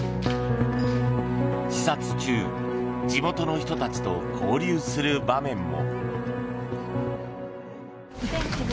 視察中地元の人たちと交流する場面も。